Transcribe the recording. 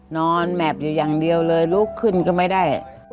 แมพอยู่อย่างเดียวเลยลุกขึ้นก็ไม่ได้